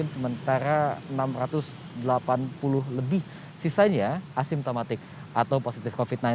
sementara enam ratus delapan puluh lebih sisanya asimptomatik atau positif covid sembilan belas